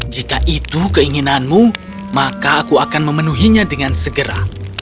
jika itu keinginanmu maka aku akan memenuhinya dengan segera